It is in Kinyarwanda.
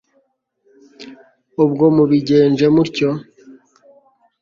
ubwo mubigenje mutyo